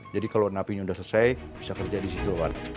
jadi kalau napinya udah selesai bisa kerja di situ